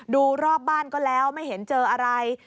ดูรอบบ้านก็แล้วไม่เห็นเจออะไร